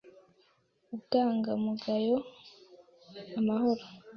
ubwangamugayo, amahoro,